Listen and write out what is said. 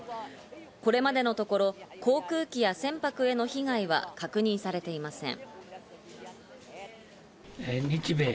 これまでのところ航空機や船舶への被害は確認されていません。